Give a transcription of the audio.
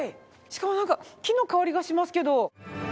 しかもなんか木の香りがしますけど。